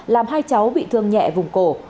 làm hai cháu bị thương nhẹ vùng cổ